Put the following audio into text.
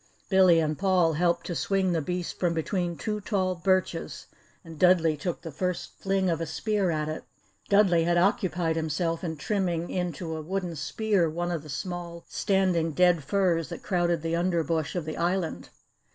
Billy and Paul helped to swing the beast from between two tall birches and Dudley took the first fling of a spear at it. Dudley had occupied himself in trimming into a wooden spear one of the small standing dead firs that crowded the underbush of the island.